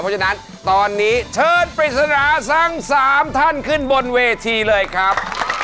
เพราะฉะนั้นตอนนี้เชิญปริศนาทั้ง๓ท่านขึ้นบนเวทีเลยครับ